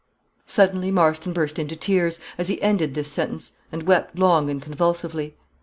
Suddenly Marston burst into tears, as he ended this sentence, and wept long and convulsively.